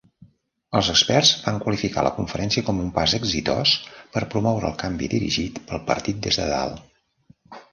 Els experts van qualificar la conferència com un pas exitós per promoure el canvi dirigit pel partit des de dalt.